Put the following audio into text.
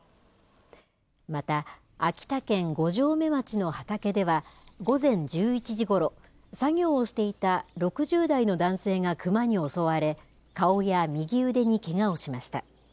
また秋田県五城目町の畑では午前１１時ごろ、作業をしていた６０代の男性がクマに襲われ、顔や右腕にけがをしました。